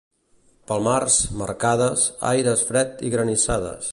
Pel març, marcades, aire fred i granissades.